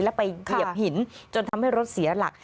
แล้วไปเหยียบหินจนทำให้รถเสียหลัก